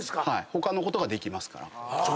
他のことができますから。